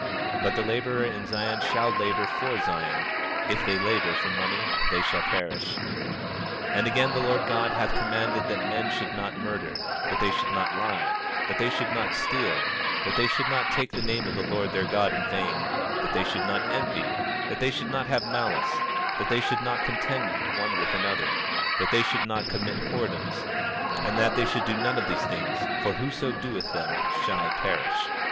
26:31 But the laborer in Zion shall labor for Zion; for if they labor for money they shall perish. 26:32 And again, the Lord God hath commanded that men should not murder; that they should not lie; that they should not steal; that they should not take the name of the Lord their God in vain; that they should not envy; that they should not have malice; that they should not contend one with another; that they should not commit whoredoms; and that they should do none of these things; for whoso doeth them shall perish.